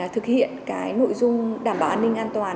thực hiện cái nội dung đảm bảo an ninh an toàn